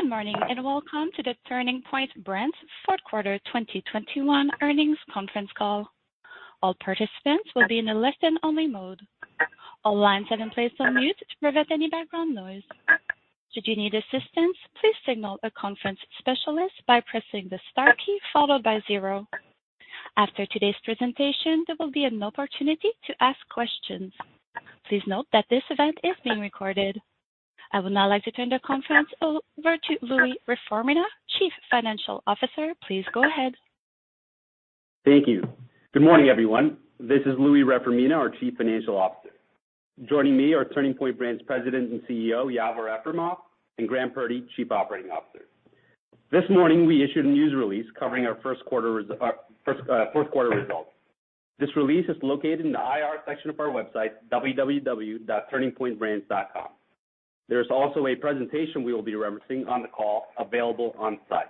Good morning, and welcome to the Turning Point Brands' fourth quarter 2021 earnings conference call. All participants will be in a listen-only mode. All lines have been placed on mute to prevent any background noise. Should you need assistance, please signal a conference specialist by pressing the star key followed by zero. After today's presentation, there will be an opportunity to ask questions. Please note that this event is being recorded. I would now like to turn the conference over to Louie Reformina, Chief Financial Officer. Please go ahead. Thank you. Good morning, everyone. This is Louie Reformina, our Chief Financial Officer. Joining me are Turning Point Brands President and CEO, Yavor Efremov, and Graham Purdy, Chief Operating Officer. This morning, we issued a news release covering our fourth quarter results. This release is located in the IR section of our website, www.turningpointbrands.com. There's also a presentation we will be referencing on the call available on site.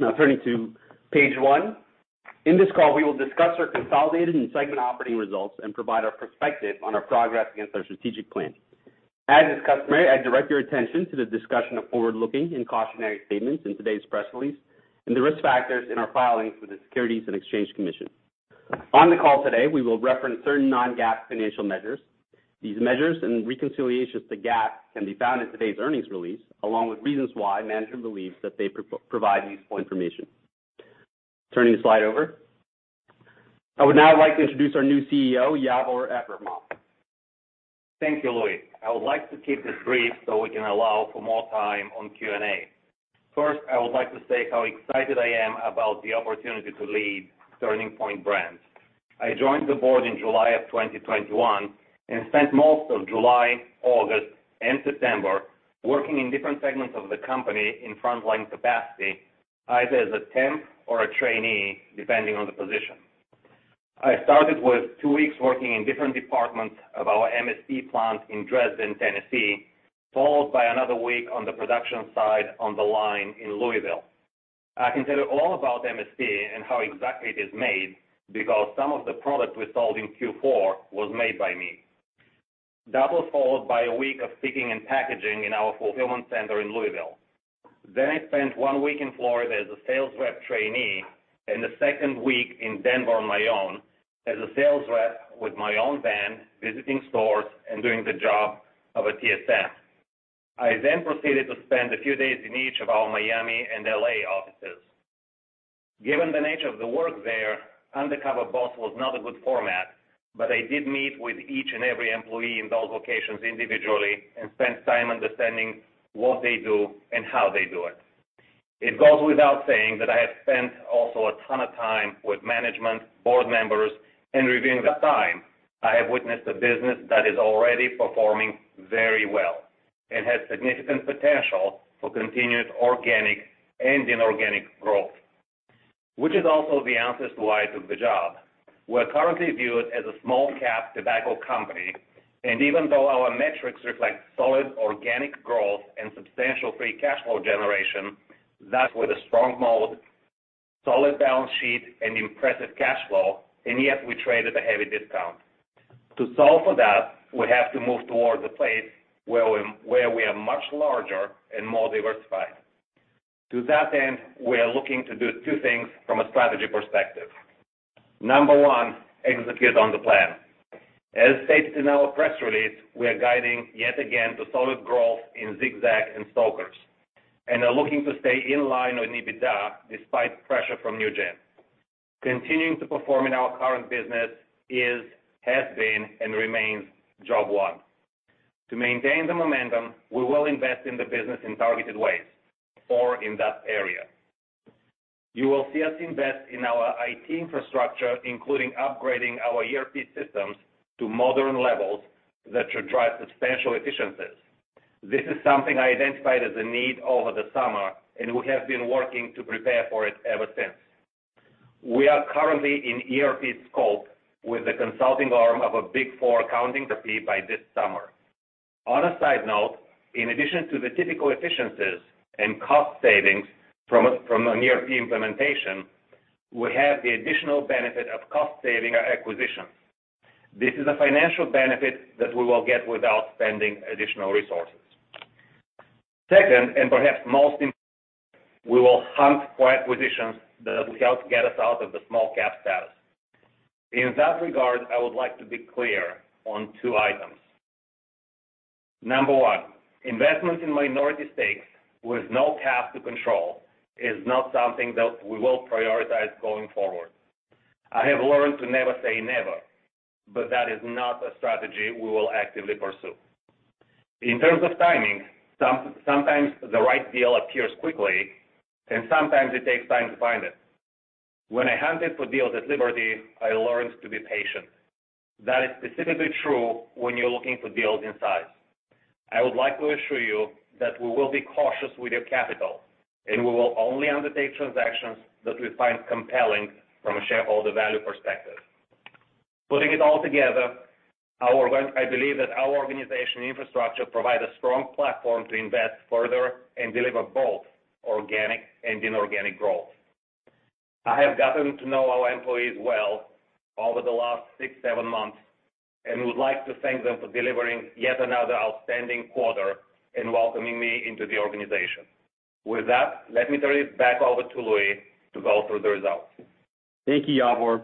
Now turning to page one. In this call, we will discuss our consolidated and segment operating results and provide our perspective on our progress against our strategic plan. As is customary, I direct your attention to the discussion of forward-looking and cautionary statements in today's press release and the risk factors in our filings with the Securities and Exchange Commission. On the call today, we will reference certain non-GAAP financial measures. These measures and reconciliations to GAAP can be found in today's earnings release, along with reasons why management believes that they provide useful information. Turning the slide over. I would now like to introduce our new CEO, Yavor Efremov. Thank you, Louis. I would like to keep this brief so we can allow for more time on Q&A. First, I would like to say how excited I am about the opportunity to lead Turning Point Brands. I joined the board in July 2021 and spent most of July, August, and September working in different segments of the company in frontline capacity, either as a temp or a trainee, depending on the position. I started with two weeks working in different departments of our MST plant in Dresden, Tennessee, followed by another week on the production side on the line in Louisville. I can tell you all about MST and how exactly it is made because some of the product we sold in Q4 was made by me. That was followed by a week of picking and packaging in our fulfillment center in Louisville. I spent one week in Florida as a sales rep trainee and a second week in Denver on my own as a sales rep with my own van, visiting stores and doing the job of a TSM. I then proceeded to spend a few days in each of our Miami and L.A. offices. Given the nature of the work there, Undercover Boss was not a good format, but I did meet with each and every employee in those locations individually and spent time understanding what they do and how they do it. It goes without saying that I have spent also a ton of time with management, board members, and reviewing the time, I have witnessed a business that is already performing very well and has significant potential for continued organic and inorganic growth, which is also the answer as to why I took the job. We're currently viewed as a small cap tobacco company, and even though our metrics reflect solid organic growth and substantial free cash flow generation, that's with a strong moat, solid balance sheet, and impressive cash flow, and yet we trade at a heavy discount. To solve for that, we have to move towards a place where we are much larger and more diversified. To that end, we are looking to do two things from a strategy perspective. Number one, execute on the plan. As stated in our press release, we are guiding yet again to solid growth in Zig-Zag and Stoker's and are looking to stay in line on EBITDA despite pressure from NewGen. Continuing to perform in our current business is, has been, and remains job one. To maintain the momentum, we will invest in the business in targeted ways or in that area. You will see us invest in our IT infrastructure, including upgrading our ERP systems to modern levels that should drive substantial efficiencies. This is something I identified as a need over the summer, and we have been working to prepare for it ever since. We are currently in ERP scoping with the consulting arm of a Big Four accounting firm by this summer. On a side note, in addition to the typical efficiencies and cost savings from an ERP implementation, we have the additional benefit of cost savings from our acquisition. This is a financial benefit that we will get without spending additional resources. Second, and perhaps most importantly, we will hunt for acquisitions that will help get us out of the small-cap status. In that regard, I would like to be clear on two items. Number one, investments in minority stakes with no path to control is not something that we will prioritize going forward. I have learned to never say never, but that is not a strategy we will actively pursue. In terms of timing, sometimes the right deal appears quickly, and sometimes it takes time to find it. When I hunted for deals at Liberty, I learned to be patient. That is specifically true when you're looking for deals in size. I would like to assure you that we will be cautious with your capital, and we will only undertake transactions that we find compelling from a shareholder value perspective. Putting it all together, I believe that our organizational infrastructure provide a strong platform to invest further and deliver both organic and inorganic growth. I have gotten to know our employees well over the last six, seven months, and would like to thank them for delivering yet another outstanding quarter and welcoming me into the organization. With that, let me turn it back over to Louie to go through the results. Thank you, Yavor.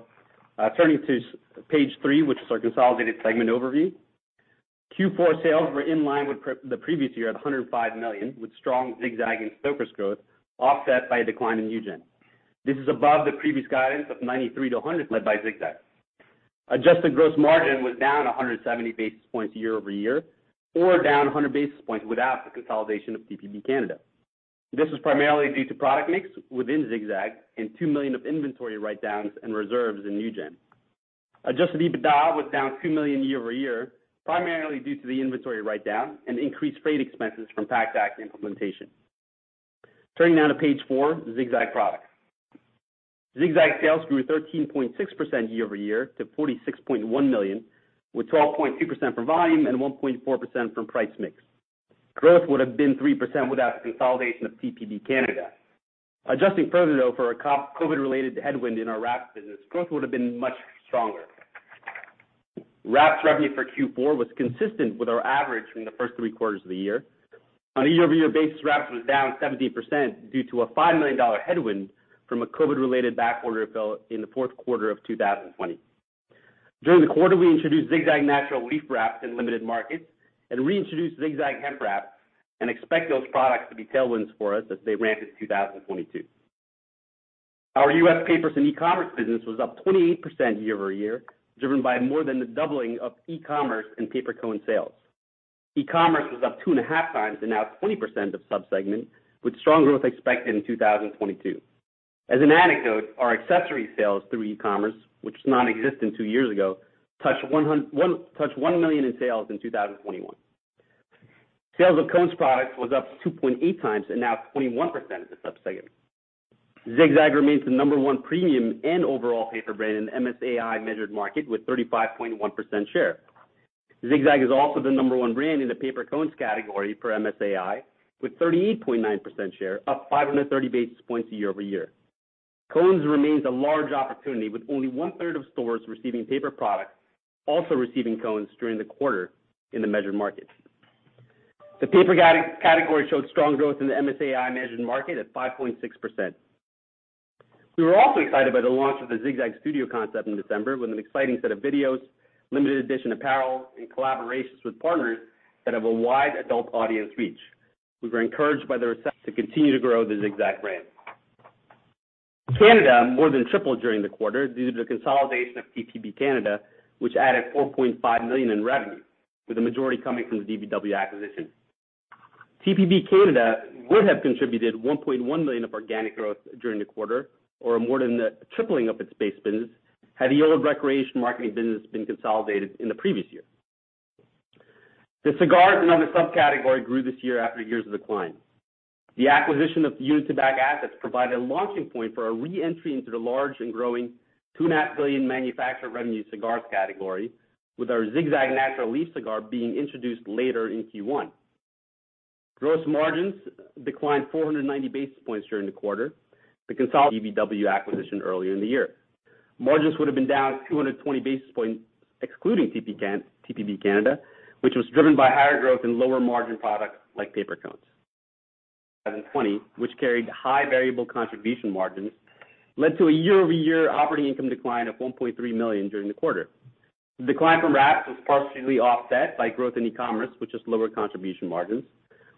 Turning to page three, which is our consolidated segment overview. Q4 sales were in line with the previous year at $105 million, with strong Zig-Zag and Stoker's growth offset by a decline in NewGen. This is above the previous guidance of $93 million-$100 million, led by Zig-Zag. Adjusted gross margin was down 170 basis points year-over-year, or down 100 basis points without the consolidation of TPB Canada. This was primarily due to product mix within Zig-Zag and $2 million of inventory write-downs and reserves in NewGen. Adjusted EBITDA was down $2 million year-over-year, primarily due to the inventory write-down and increased freight expenses from PACT Act implementation. Turning now to page four, Zig-Zag products. Zig-Zag sales grew 13.6% year-over-year to $46.1 million, with 12.2% from volume and 1.4% from price mix. Growth would have been 3% without the consolidation of TPB Canada. Adjusting further though for a COVID-related headwind in our wraps business, growth would have been much stronger. Wraps revenue for Q4 was consistent with our average from the first three quarters of the year. On a year-over-year basis, wraps was down 17% due to a $5 million headwind from a COVID-related backorder fill in the fourth quarter of 2020. During the quarter, we introduced Zig-Zag Natural Leaf Wraps in limited markets and reintroduced Zig-Zag Hemp Wraps and expect those products to be tailwinds for us as they ramp into 2022. Our U.S. papers and e-commerce business was up 28% year-over-year, driven by more than the doubling of e-commerce and paper cone sales. E-commerce was up 2.5x and now 20% of sub-segment, with strong growth expected in 2022. As an anecdote, our accessory sales through e-commerce, which was non-existent two years ago, touched $1 million in sales in 2021. Sales of cones products was up 2.8x and now 21% of the sub-segment. Zig-Zag remains the number one premium and overall paper brand in the MSAi measured market with 35.1% share. Zig-Zag is also the number one brand in the paper cones category per MSAi, with 38.9% share, up 530 basis points year-over-year. Cones remains a large opportunity with only 1/3 of stores receiving paper products, also receiving cones during the quarter in the measured markets. The paper category showed strong growth in the MSAi measured market at 5.6%. We were also excited by the launch of the Zig-Zag Studio concept in December with an exciting set of videos, limited edition apparel and collaborations with partners that have a wide adult audience reach. We were encouraged by the reception to continue to grow the Zig-Zag brand. Canada more than tripled during the quarter due to the consolidation of TPB Canada, which added $4.5 million in revenue, with the majority coming from the DBW acquisition. TPB Canada would have contributed $1.1 million of organic growth during the quarter, or more than the tripling of its base business, had the old ReCreation Marketing business been consolidated in the previous year. The cigars and other subcategory grew this year after years of decline. The acquisition of the Union Tobacco assets provided a launching point for our re-entry into the large and growing $2.5 billion manufactured revenue cigars category with our Zig-Zag natural leaf cigar being introduced later in Q1. Gross margins declined 490 basis points during the quarter. The DBW acquisition earlier in the year. Margins would have been down 220 basis points excluding TPB Canada, which was driven by higher growth and lower margin products like paper cones. 2020, which carried high variable contribution margins, led to a year-over-year operating income decline of $1.3 million during the quarter. The decline from wraps was partially offset by growth in e-commerce, which has lower contribution margins.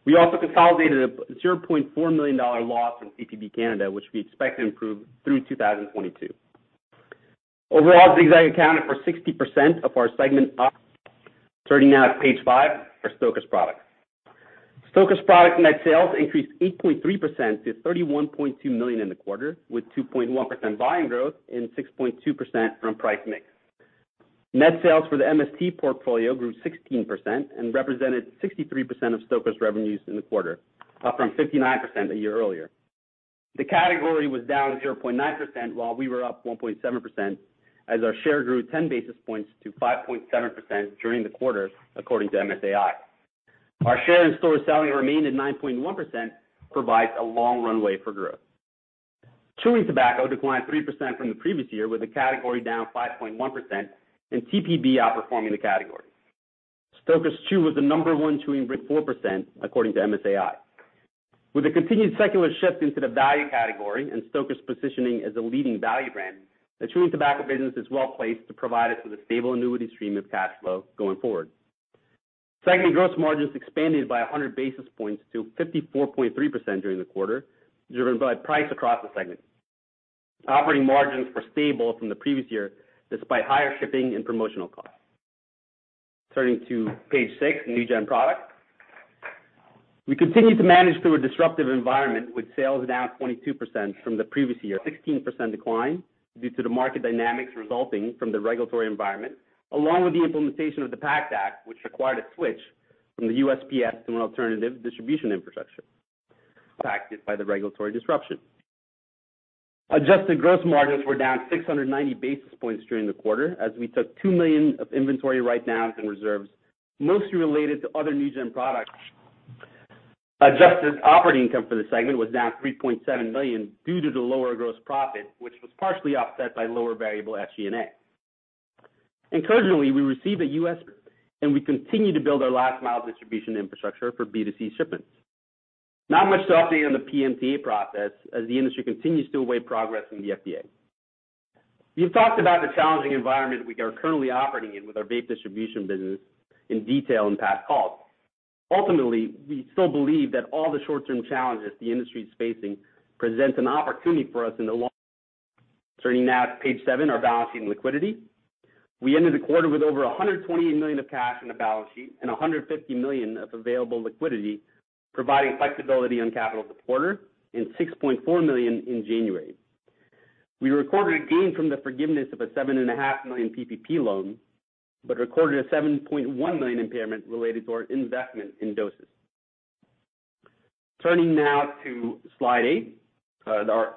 We also consolidated a $0.4 million loss from TPB Canada, which we expect to improve through 2022. Overall, Zig-Zag accounted for 60% of our segment. Turning now to page five for Stoker's products. Stoker's products net sales increased 8.3% to $31.2 million in the quarter, with 2.1% volume growth and 6.2% from price mix. Net sales for the MST portfolio grew 16% and represented 63% of Stoker's revenues in the quarter, up from 59% a year earlier. The category was down 0.9%, while we were up 1.7% as our share grew 10 basis points to 5.7% during the quarter, according to MSAi. Our share in-store selling remained at 9.1%, which provides a long runway for growth. Chewing tobacco declined 3% from the previous year, with the category down 5.1% and TPB outperforming the category. Stoker's Chew was the number one chewing brand with 4%, according to MSAi. With the continued secular shift into the value category and Stoker's positioning as a leading value brand, the chewing tobacco business is well-placed to provide us with a stable annuity stream of cash flow going forward. Segment gross margins expanded by 100 basis points to 54.3% during the quarter, driven by price across the segment. Operating margins were stable from the previous year, despite higher shipping and promotional costs. Turning to page six, NewGen products. We continue to manage through a disruptive environment with sales down 22% from the previous year, 16% decline due to the market dynamics resulting from the regulatory environment, along with the implementation of the PACT Act, which required a switch from the USPS to an alternative distribution infrastructure, affected by the regulatory disruption. Adjusted gross margins were down 690 basis points during the quarter as we took $2 million of inventory write-downs and reserves, mostly related to other NewGen products. Adjusted operating income for the segment was down $3.7 million due to the lower gross profit, which was partially offset by lower variable SG&A. Encouragingly, we received a U.S., and we continue to build our last mile distribution infrastructure for B2C shipments. Not much to update on the PMTA process as the industry continues to await progress from the FDA. We've talked about the challenging environment we are currently operating in with our vape distribution business in detail in past calls. Ultimately, we still believe that all the short-term challenges the industry is facing presents an opportunity for us in the long. Turning now to page seven, our balance sheet liquidity. We ended the quarter with over $128 million of cash on the balance sheet, and $150 million of available liquidity, providing flexibility on capital structure, and $6.4 million in January. We recorded a gain from the forgiveness of a $7.5 million PPP loan, but recorded a $7.1 million impairment related to our investment in dosist. Turning now to slide eight, our Clipper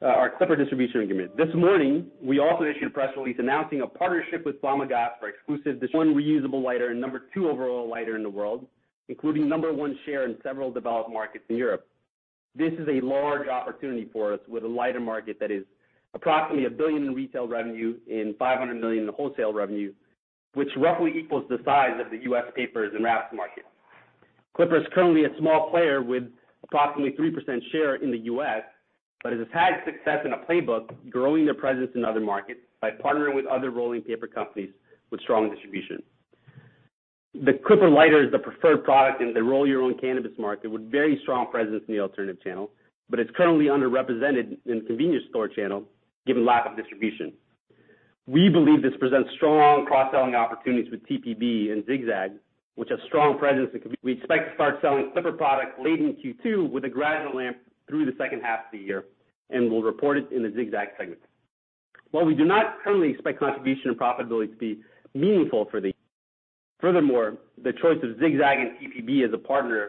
distribution agreement. This morning, we also issued a press release announcing a partnership with Flamagas for exclusive distribution of number one reusable lighter and number two overall lighter in the world, including number one share in several developed markets in Europe. This is a large opportunity for us with a lighter market that is approximately $1 billion in retail revenue and $500 million in wholesale revenue, which roughly equals the size of the U.S. papers and wraps market. Clipper is currently a small player with approximately 3% share in the U.S., but it has had success in a playbook growing their presence in other markets by partnering with other rolling paper companies with strong distribution. The Clipper lighter is the preferred product in the roll your own cannabis market, with very strong presence in the alternative channel, but it's currently underrepresented in the convenience store channel given lack of distribution. We believe this presents strong cross-selling opportunities with TPB and Zig-Zag, which have strong presence in convenience stores. We expect to start selling Clipper products late in Q2 with a gradual ramp through the second half of the year, and we'll report it in the Zig-Zag segment. While we do not currently expect contribution and profitability to be meaningful for the year. Furthermore, the choice of Zig-Zag and TPB as a partner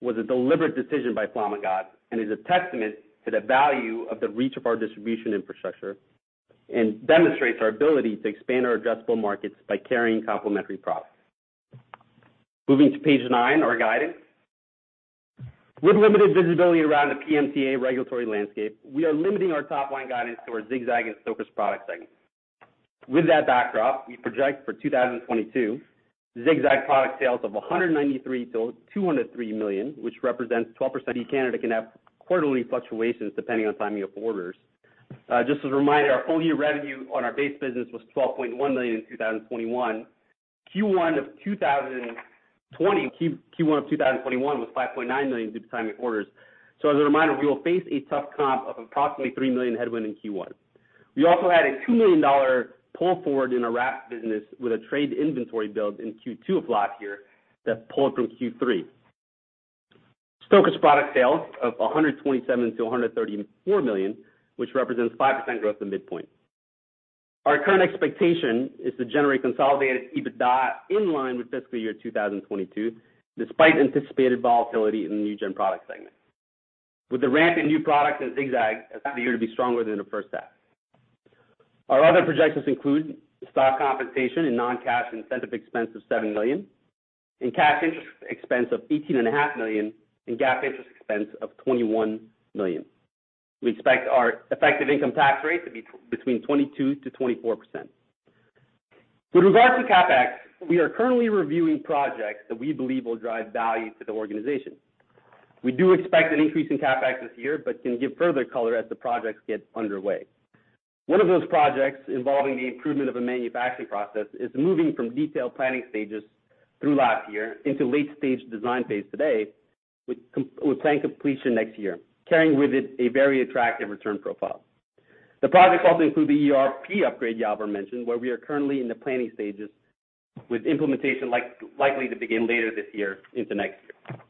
was a deliberate decision by Flamagas and is a testament to the value of the reach of our distribution infrastructure and demonstrates our ability to expand our addressable markets by carrying complementary products. Moving to page nine, our guidance. With limited visibility around the PMTA regulatory landscape, we are limiting our top-line guidance to our Zig-Zag and Stoker's product segments. With that backdrop, we project for 2022, Zig-Zag product sales of $193 million-$203 million, which represents 12%. Canada can have quarterly fluctuations depending on timing of orders. Just as a reminder, our full-year revenue on our base business was $12.1 million in 2021. Q1 of 2021 was $5.9 million due to timing orders. As a reminder, we will face a tough comp of approximately $3 million headwind in Q1. We also had a $2 million pull forward in our wrap business with a trade inventory build in Q2 of last year that pulled from Q3. Stoker's product sales of $127 million-$134 million, which represents 5% growth at midpoint. Our current expectation is to generate consolidated EBITDA in line with fiscal year 2022, despite anticipated volatility in the NewGen product segment. With the ramp in new products in Zig-Zag, expect the year to be stronger than the first half. Our other projections include stock compensation and non-cash incentive expense of $7 million and cash interest expense of $18.5 million and GAAP interest expense of $21 million. We expect our effective income tax rate to be between 22%-24%. With regard to CapEx, we are currently reviewing projects that we believe will drive value to the organization. We do expect an increase in CapEx this year but can give further color as the projects get underway. One of those projects involving the improvement of a manufacturing process is moving from detailed planning stages through last year into late-stage design phase today, with planned completion next year, carrying with it a very attractive return profile. The project will also include the ERP upgrade Yavor mentioned, where we are currently in the planning stages with implementation like, likely to begin later this year into next year.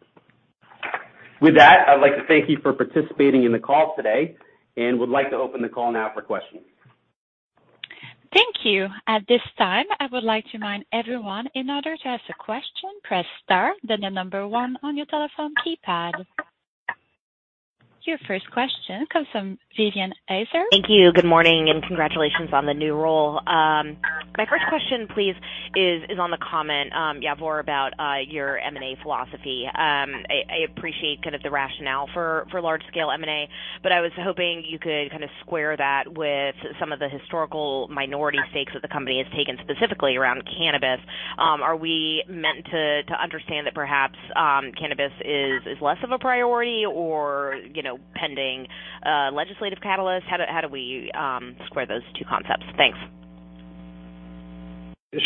With that, I'd like to thank you for participating in the call today and would like to open the call now for questions. Thank you. At this time, I would like to remind everyone in order to ask a question, press star then the number one on your telephone keypad. Your first question comes from Vivien Azer. Thank you. Good morning, and congratulations on the new role. My first question, please, is on the comment, Yavor, about your M&A philosophy. I appreciate kind of the rationale for large-scale M&A, but I was hoping you could kind of square that with some of the historical minority stakes that the company has taken specifically around cannabis. Are we meant to understand that perhaps cannabis is less of a priority or, you know, pending legislative catalyst? How do we square those two concepts? Thanks.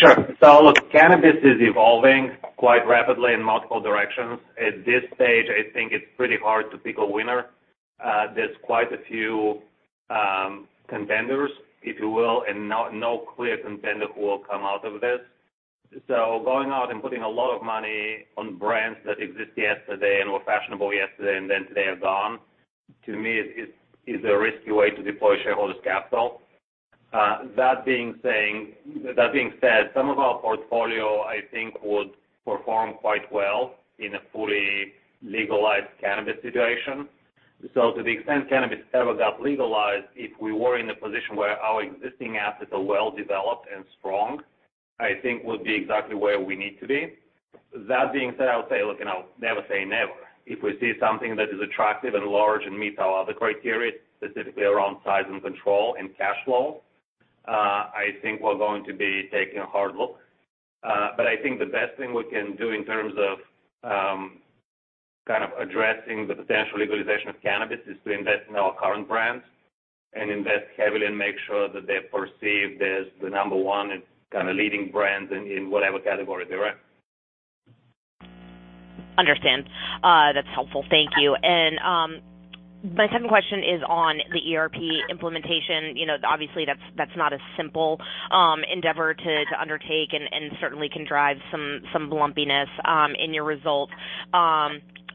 Sure. Look, cannabis is evolving quite rapidly in multiple directions. At this stage, I think it's pretty hard to pick a winner. There's quite a few contenders, if you will, and no clear contender who will come out of this. Going out and putting a lot of money on brands that exist yesterday and were fashionable yesterday and then today are gone, to me is a risky way to deploy shareholders' capital. That being said, some of our portfolio, I think, would perform quite well in a fully legalized cannabis situation. To the extent cannabis ever got legalized, if we were in a position where our existing assets are well developed and strong. I think we'll be exactly where we need to be. That being said, I would say, look, and I'll never say never. If we see something that is attractive and large and meets our other criteria, specifically around size and control and cash flow, I think we're going to be taking a hard look. I think the best thing we can do in terms of kind of addressing the potential legalization of cannabis is to invest in our current brands and invest heavily and make sure that they're perceived as the number one and kind of leading brands in whatever category they're in. Understand. That's helpful. Thank you. My second question is on the ERP implementation. You know, obviously that's not a simple endeavor to undertake and certainly can drive some lumpiness in your results.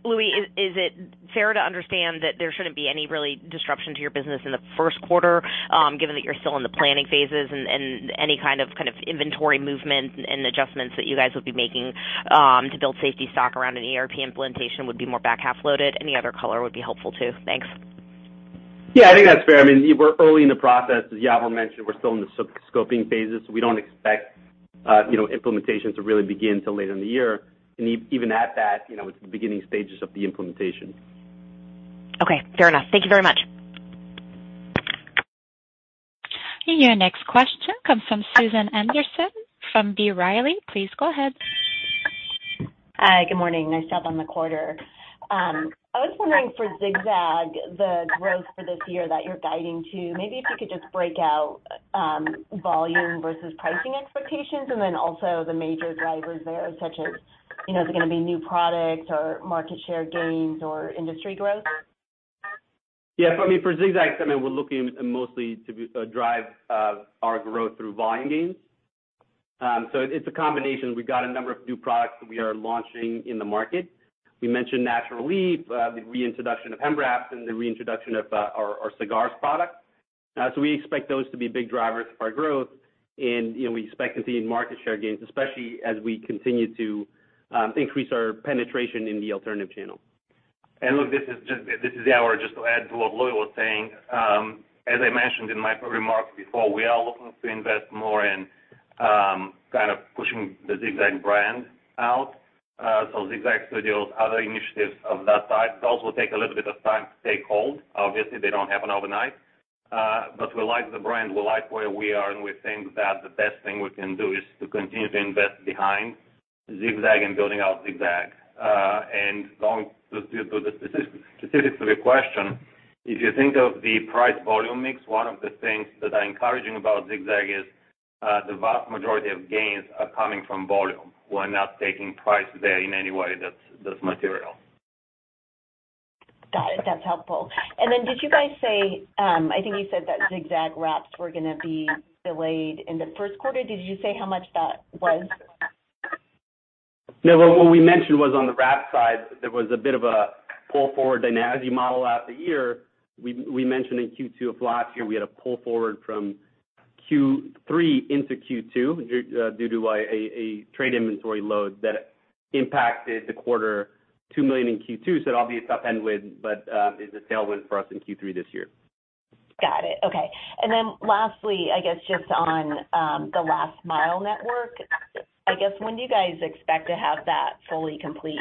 Louis, is it fair to understand that there shouldn't be any real disruption to your business in the first quarter, given that you're still in the planning phases and any kind of inventory movement and adjustments that you guys will be making to build safety stock around an ERP implementation would be more back-half loaded? Any other color would be helpful too. Thanks. Yeah, I think that's fair. I mean, we're early in the process. As Yavor mentioned, we're still in the scoping phases, so we don't expect, you know, implementation to really begin till later in the year. Even at that, you know, it's the beginning stages of the implementation. Okay, fair enough. Thank you very much. Your next question comes from Susan Anderson from B. Riley. Please go ahead. Hi, good morning. Nice job on the quarter. I was wondering for Zig-Zag, the growth for this year that you're guiding to, maybe if you could just break out, volume versus pricing expectations and then also the major drivers there, such as, you know, is it gonna be new products or market share gains or industry growth? Yeah. For me, for Zig-Zag, I mean, we're looking mostly to drive our growth through volume gains. So it's a combination. We've got a number of new products that we are launching in the market. We mentioned Natural Leaf, the reintroduction of Hemp Wraps and the reintroduction of our cigars product. So we expect those to be big drivers of our growth. You know, we expect to see market share gains, especially as we continue to increase our penetration in the alternative channel. Look, this is Yavor, just to add to what Louie was saying. As I mentioned in my remarks before, we are looking to invest more in kind of pushing the Zig-Zag brand out. So Zig-Zag Studios, other initiatives of that type. Those will take a little bit of time to take hold. Obviously, they don't happen overnight. But we like the brand, we like where we are, and we think that the best thing we can do is to continue to invest behind Zig-Zag and building out Zig-Zag. Going to the specifics of your question, if you think of the price volume mix, one of the things that are encouraging about Zig-Zag is the vast majority of gains are coming from volume. We're not taking price there in any way that's material. Got it. That's helpful. Did you guys say, I think you said that Zig-Zag wraps were gonna be delayed in the first quarter. Did you say how much that was? No, what we mentioned was on the wrap side, there was a bit of a pull forward dynamic throughout the year. We mentioned in Q2 of last year, we had a pull forward from Q3 into Q2 due to a trade inventory load that impacted the quarter, $2 million in Q2. Obviously, it's a headwind, but it's a tailwind for us in Q3 this year. Got it. Okay. Lastly, I guess just on, the last mile network, I guess, when do you guys expect to have that fully complete?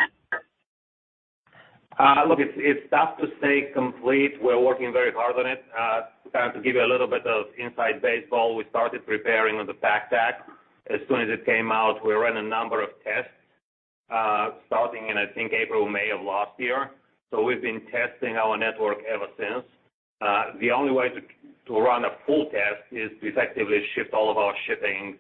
Look, it's tough to say complete. We're working very hard on it. To give you a little bit of inside baseball, we started preparing on the PACT Act as soon as it came out. We ran a number of tests, starting in, I think, April, May of last year. We've been testing our network ever since. The only way to run a full test is to effectively shift all of our shipping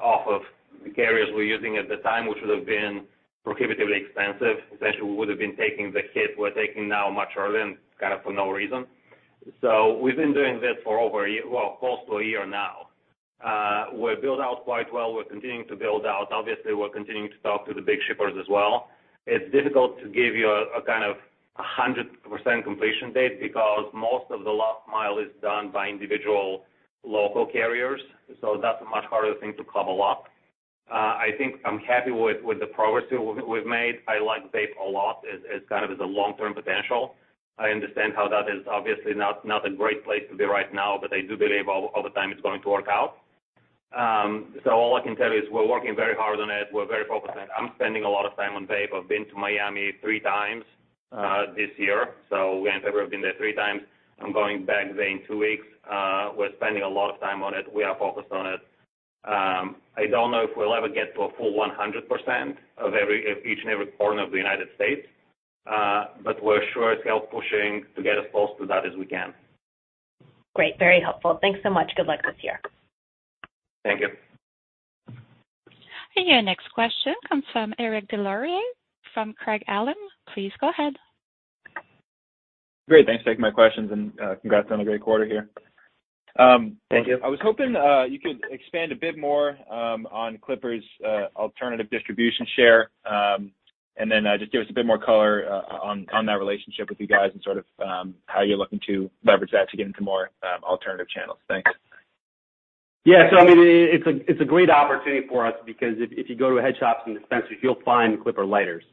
off of the carriers we're using at the time, which would have been prohibitively expensive. Essentially, we would have been taking the hit we're taking now much earlier and kind of for no reason. We've been doing this for over a year, well, close to a year now. We're built out quite well. We're continuing to build out. Obviously, we're continuing to talk to the big shippers as well. It's difficult to give you a kind of a 100% completion date because most of the last mile is done by individual local carriers, so that's a much harder thing to couple up. I think I'm happy with the progress we've made. I like vape a lot as kind of a long-term potential. I understand how that is obviously not a great place to be right now, but I do believe over time it's going to work out. All I can tell you is we're working very hard on it. We're very focused, and I'm spending a lot of time on vape. I've been to Miami three times this year, so me and Deborah have been there three times. I'm going back there in two weeks. We're spending a lot of time on it. We are focused on it. I don't know if we'll ever get to a full 100% of each and every corner of the United States. We're sure as hell pushing to get as close to that as we can. Great. Very helpful. Thanks so much. Good luck this year. Thank you. Your next question comes from Eric Des Lauriers from Craig-Hallum. Please go ahead. Great. Thanks for taking my questions and congrats on a great quarter here. Thank you. I was hoping you could expand a bit more on Clipper's alternative distribution share, and then just give us a bit more color on that relationship with you guys and sort of how you're looking to leverage that to get into more alternative channels. Thanks. Yeah. I mean, it's a great opportunity for us because if you go to head shops and dispensaries, you'll find Clipper lighters.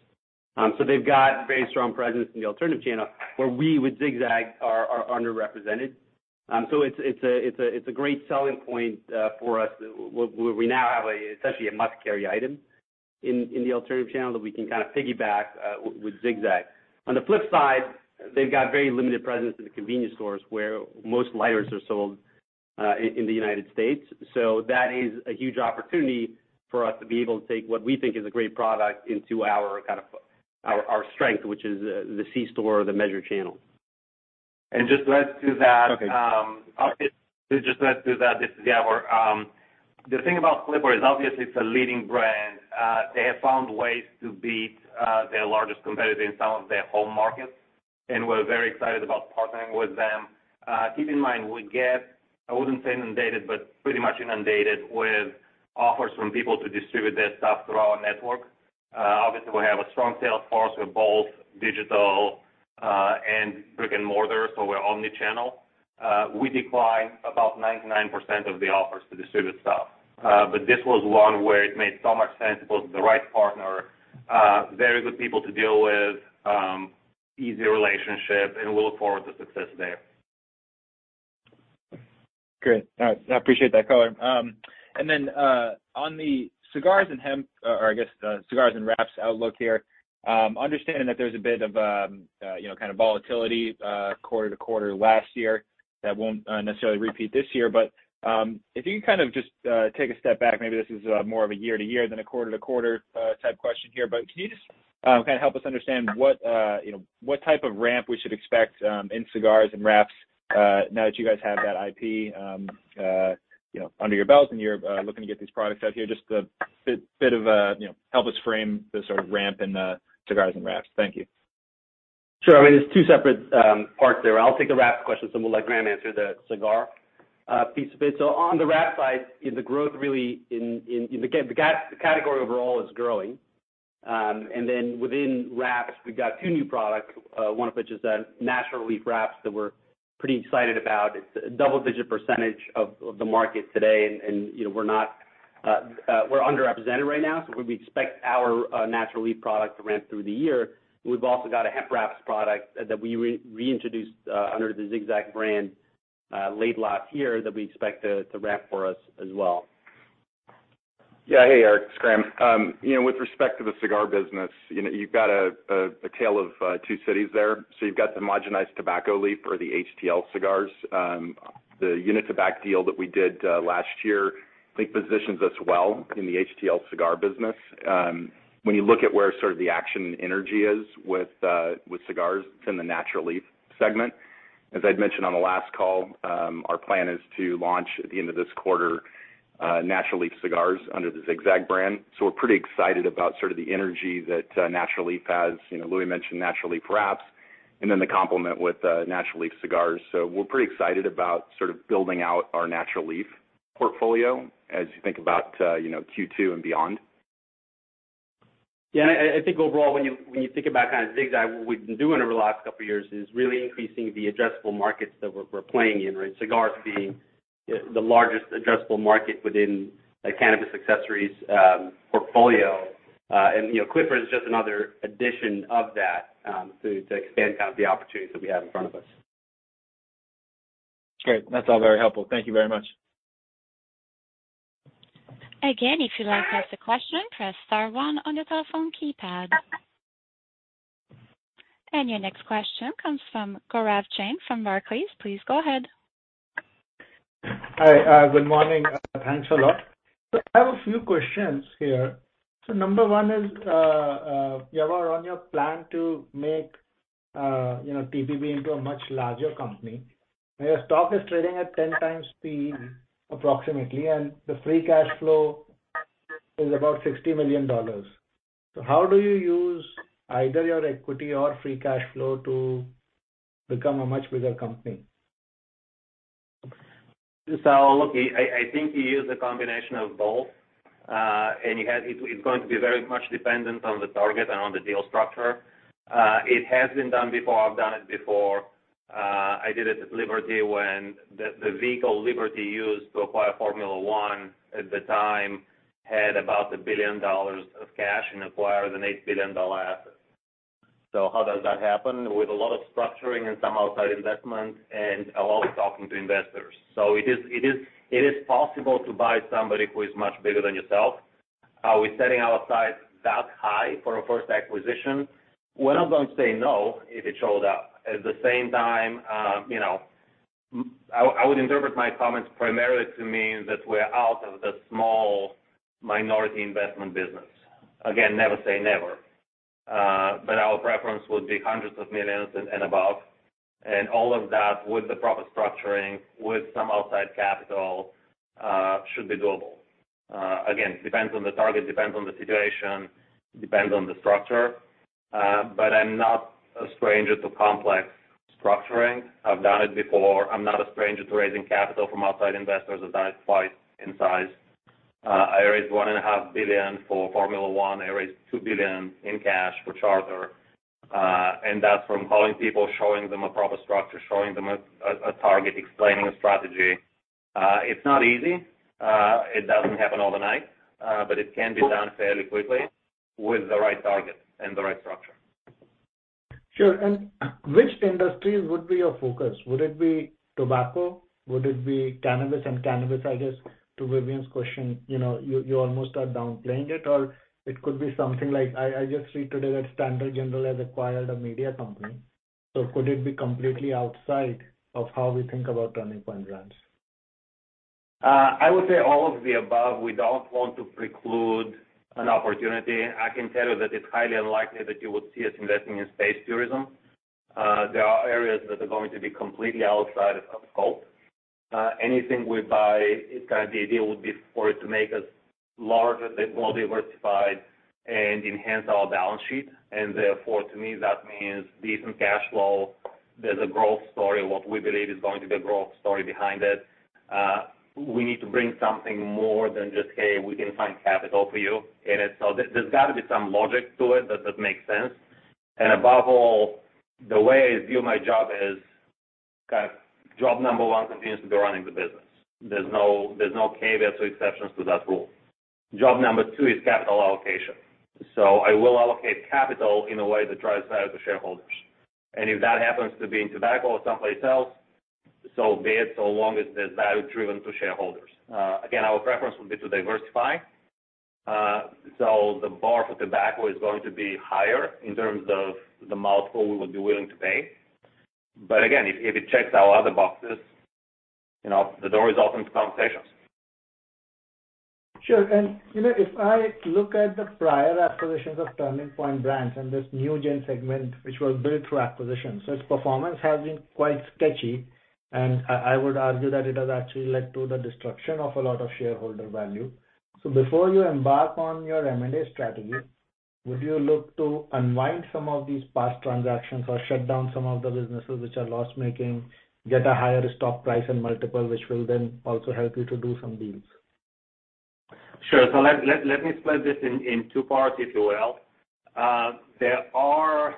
They've got very strong presence in the alternative channel, where we with Zig-Zag are underrepresented. It's a great selling point for us where we now have essentially a must-carry item in the alternative channel that we can kind of piggyback with Zig-Zag. On the flip side, they've got very limited presence in the convenience stores where most lighters are sold in the United States. That is a huge opportunity for us to be able to take what we think is a great product into our kind of our strength, which is the C store or the measured channel. Just to add to that, this is Yavor. The thing about Clipper is obviously it's a leading brand. They have found ways to beat their largest competitor in some of their home markets, and we're very excited about partnering with them. Keep in mind, we get, I wouldn't say inundated, but pretty much inundated with offers from people to distribute their stuff through our network. Obviously, we have a strong sales force. We're both digital and brick-and-mortar, so we're omni-channel. We decline about 99% of the offers to distribute stuff. But this was one where it made so much sense. It was the right partner, very good people to deal with, easy relationship, and we look forward to success there. Great. All right. I appreciate that color. On the cigars and hemp, or I guess, the cigars and wraps outlook here, understanding that there's a bit of, you know, kind of volatility, quarter to quarter last year that won't necessarily repeat this year. If you can kind of just take a step back, maybe this is more of a year to year than a quarter to quarter type question here. Can you just kind of help us understand what, you know, what type of ramp we should expect in cigars and wraps, now that you guys have that IP, you know, under your belt and you're looking to get these products out here? Just a bit of a, you know, help us frame the sort of ramp in the cigars and wraps. Thank you. Sure. I mean, there's two separate parts there. I'll take the wrap question, then we'll let Graham answer the cigar piece of it. On the wrap side, the growth really in again, the category overall is growing. And then within wraps, we've got two new products, one of which is a Natural Leaf Wraps that we're pretty excited about. It's a double-digit % of the market today. And you know, we're not, we're underrepresented right now, so we expect our natural leaf product to ramp through the year. We've also got a Hemp Wraps product that we reintroduced under the Zig-Zag brand late last year that we expect to ramp for us as well. Yeah. Hey, Eric. It's Graham. You know, with respect to the cigar business, you know, you've got a tale of two cities there. You've got the homogenized tobacco leaf or the HTL cigars. The Unitabac deal that we did last year, I think positions us well in the HTL cigar business. When you look at where sort of the action and energy is with cigars, it's in the natural leaf segment. As I'd mentioned on the last call, our plan is to launch at the end of this quarter natural leaf cigars under the Zig-Zag brand. We're pretty excited about sort of the energy that natural leaf has. You know, Louie mentioned natural leaf wraps and then the complement with natural leaf cigars. We're pretty excited about sort of building out our Natural Leaf portfolio as you think about, you know, Q2 and beyond. Yeah. I think overall, when you think about kind of Zig-Zag, what we've been doing over the last couple of years is really increasing the addressable markets that we're playing in, right? Cigars being the largest addressable market within a cannabis accessories portfolio. You know, Clipper is just another addition of that to expand kind of the opportunities that we have in front of us. Great. That's all very helpful. Thank you very much. Again, if you'd like to ask a question, press star one on your telephone keypad. Your next question comes from Gaurav Jain from Barclays. Please go ahead. Hi. Good morning. Thanks a lot. I have a few questions here. Number one is, Yavor, on your plan to make, you know, TPB into a much larger company, your stock is trading at 10 times PE approximately, and the free cash flow is about $60 million. How do you use either your equity or free cash flow to become a much bigger company? Look, I think you use a combination of both, and you have it's going to be very much dependent on the target and on the deal structure. It has been done before. I've done it before. I did it at Liberty when the vehicle Liberty used to acquire Formula One at the time had about $1 billion of cash and acquired an $8 billion asset. How does that happen? With a lot of structuring and some outside investment and a lot of talking to investors. It is possible to buy somebody who is much bigger than yourself. Are we setting our sights that high for a first acquisition? We're not going to say no if it showed up. At the same time, you know, I would interpret my comments primarily to mean that we're out of the small minority investment business. Again, never say never. Our preference would be hundreds of millions and above. All of that with the proper structuring, with some outside capital, should be doable. Again, depends on the target, depends on the situation, depends on the structure. I'm not a stranger to complex structuring. I've done it before. I'm not a stranger to raising capital from outside investors. I've done it twice in size. I raised $1.5 billion for Formula One. I raised $2 billion in cash for Charter. That's from calling people, showing them a proper structure, showing them a target, explaining the strategy. It's not easy. It doesn't happen overnight, but it can be done fairly quickly with the right target and the right structure. Sure. Which industry would be your focus? Would it be tobacco? Would it be cannabis? Cannabis, I guess, to Vivien's question, you know, you almost are downplaying it, or it could be something like I just read today that Standard General has acquired a media company. Could it be completely outside of how we think about Turning Point Brands? I would say all of the above. We don't want to preclude an opportunity. I can tell you that it's highly unlikely that you would see us investing in space tourism. There are areas that are going to be completely outside of our scope. Anything we buy, it's gonna be a deal would be for it to make us larger, more diversified, and enhance our balance sheet. Therefore, to me that means decent cash flow. There's a growth story, what we believe is going to be a growth story behind it. We need to bring something more than just, "Hey, we can find capital for you." It's so there's gotta be some logic to it that makes sense. Above all, the way I view my job is kind of job number one continues to be running the business. There's no caveats or exceptions to that rule. Job number two is capital allocation. I will allocate capital in a way that drives value to shareholders. If that happens to be in tobacco or someplace else, so be it, so long as there's value driven to shareholders. Again, our preference would be to diversify. The bar for tobacco is going to be higher in terms of the multiple we would be willing to pay. Again, if it checks our other boxes, you know, the door is open to conversations. Sure. You know, if I look at the prior acquisitions of Turning Point Brands and this NewGen segment, which was built through acquisitions, so its performance has been quite sketchy. I would argue that it has actually led to the destruction of a lot of shareholder value. Before you embark on your M&A strategy, would you look to unwind some of these past transactions or shut down some of the businesses which are loss-making, get a higher stock price and multiple, which will then also help you to do some deals? Sure. Let me split this in two parts, if you will. There are,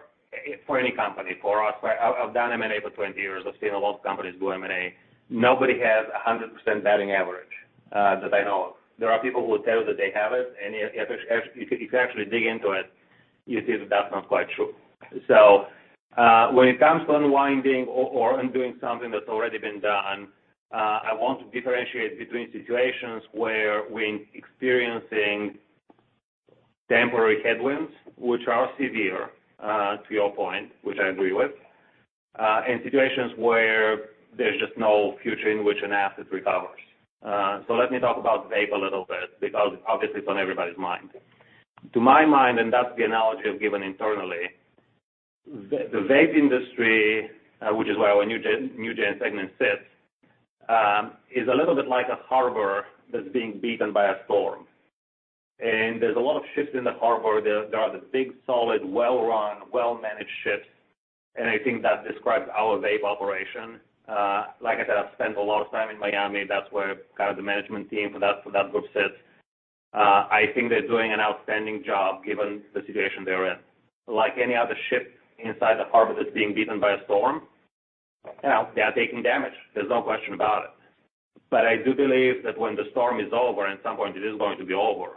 for any company, for us, I've done M&A for 20 years. I've seen a lot of companies do M&A. Nobody has a 100% batting average that I know of. There are people who will tell you that they have it, and if you actually dig into it, you see that that's not quite true. When it comes to unwinding or undoing something that's already been done, I want to differentiate between situations where we're experiencing temporary headwinds, which are severe, to your point, which I agree with, and situations where there's just no future in which an asset recovers. Let me talk about vape a little bit because obviously it's on everybody's mind. To my mind, and that's the analogy I've given internally, the vape industry, which is where our NewGen segment sits, is a little bit like a harbor that's being beaten by a storm. There's a lot of ships in the harbor. There are the big, solid, well-run, well-managed ships, and I think that describes our vape operation. Like I said, I've spent a lot of time in Miami. That's where kind of the management team for that group sits. I think they're doing an outstanding job, given the situation they're in. Like any other ship inside the harbor that's being beaten by a storm, you know, they are taking damage. There's no question about it. I do believe that when the storm is over, and at some point it is going to be over,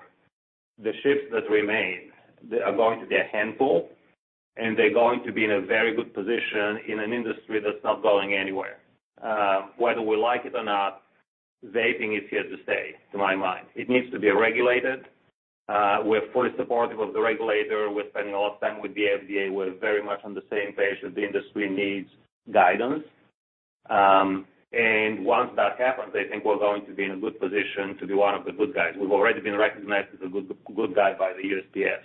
the ships that remain, they are going to be a handful, and they're going to be in a very good position in an industry that's not going anywhere. Whether we like it or not, vaping is here to stay, to my mind. It needs to be regulated. We're fully supportive of the regulator. We're spending a lot of time with the FDA. We're very much on the same page that the industry needs guidance. Once that happens, I think we're going to be in a good position to be one of the good guys. We've already been recognized as a good guy by the USPS.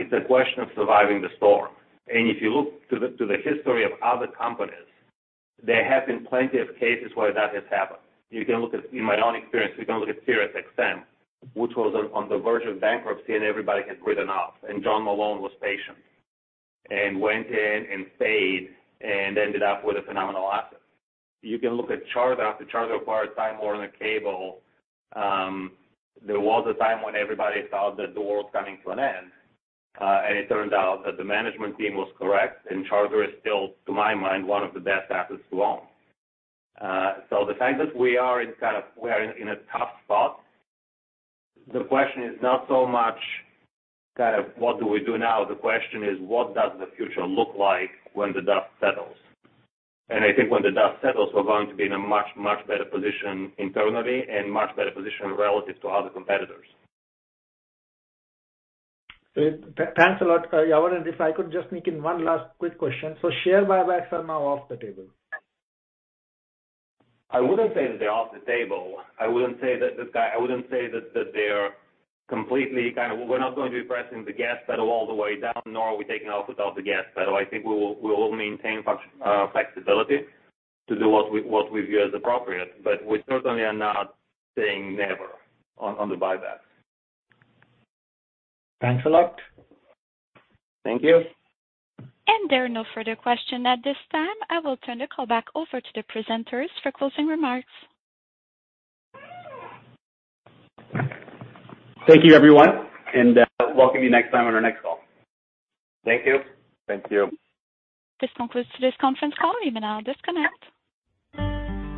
It's a question of surviving the storm. If you look to the history of other companies, there have been plenty of cases where that has happened. You can look at SiriusXM, in my own experience, which was on the verge of bankruptcy and everybody had written off. John Malone was patient and went in and stayed and ended up with a phenomenal asset. You can look at Charter. After Charter acquired Time Warner Cable, there was a time when everybody thought that the world's coming to an end. It turned out that the management team was correct and Charter is still, to my mind, one of the best assets to own. The fact that we are in kind of a tough spot, the question is not so much kind of what do we do now, the question is what does the future look like when the dust settles? I think when the dust settles, we're going to be in a much, much better position internally and much better position relative to other competitors. Thanks a lot, Yavor. If I could just sneak in one last quick question. Share buybacks are now off the table? I wouldn't say that they're off the table. We're not going to be pressing the gas pedal all the way down, nor are we taking our foot off the gas pedal. I think we will maintain flexibility to do what we view as appropriate. But we certainly are not saying never on the buyback. Thanks a lot. Thank you. There are no further questions at this time. I will turn the call back over to the presenters for closing remarks. Thank you, everyone, and we'll see you next time on our next call. Thank you. Thank you. This concludes today's conference call. You may now disconnect.